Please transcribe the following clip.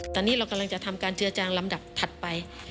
ตอนนี้เรากำลังจะทำการเจือจางลำดับถัดไป